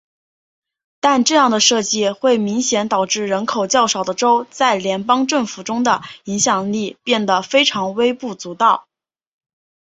但这样的设计会明显导致人口较少的州在联邦政府中的影响力变得非常微不足道。